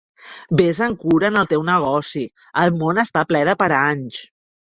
Vés amb cura en el teu negoci, el món està ple de paranys.